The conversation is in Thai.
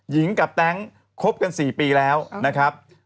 หญิงกับแต๊งคบกัน๔ปีแล้วนะครับ